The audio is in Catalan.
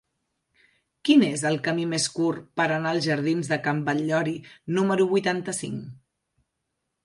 Quin és el camí més curt per anar als jardins de Can Batllori número vuitanta-cinc?